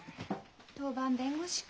当番弁護士か。